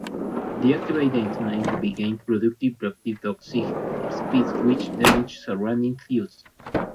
The activated enzymes then begin producing reactive oxygen species which damages surrounding tissue.